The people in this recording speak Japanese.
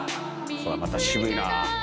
そらまた渋いなあ。